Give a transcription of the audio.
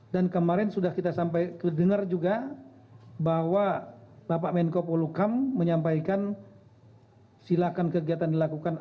dan kemarin sudah kita sampai mendengar juga bahwa bapak menko polukam menyampaikan silakan kegiatan dilakukan